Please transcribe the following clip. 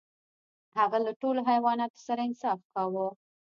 هغه له ټولو حیواناتو سره انصاف کاوه.